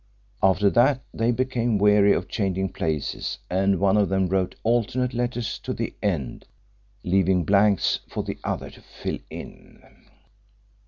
After that they became weary of changing places and one of them wrote alternate letters to the end, leaving blanks for the other to fill in.